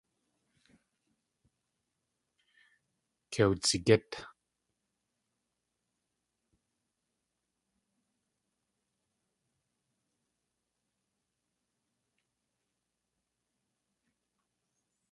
Kei wdzigít.